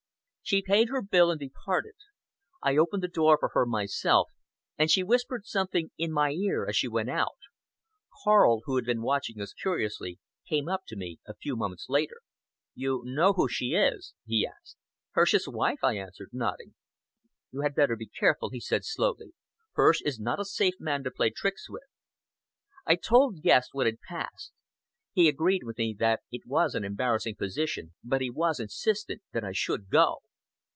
She paid her bill and departed. I opened the door for her myself, and she whispered something in my ear as she went out. Karl, who had been watching us curiously, came up to me a few moments later. "You know who she is?" he asked. "Hirsch's wife," I answered, nodding. "You had better be careful," he said slowly. "Hirsch is not a safe man to play tricks with." I told Guest what had passed. He agreed with me that it was an embarrassing position, but he was insistent that I should go.